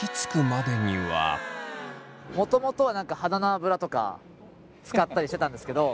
もともとは鼻の脂とか使ったりしてたんですけど。